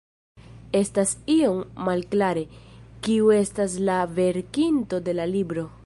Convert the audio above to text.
Estas iom malklare, kiu estas la verkinto de la libro.